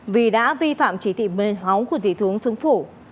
vì đã vi phạm chỉ thị một mươi sáu của thị thướng thương phủ